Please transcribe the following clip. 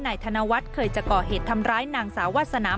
นายธนวัฒน์เคยจะก่อเหตุทำร้ายนางสาววาสนามาแล้ว๑ครั้ง